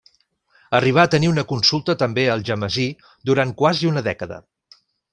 Arribà a tenir una consulta també a Algemesí durant quasi una dècada.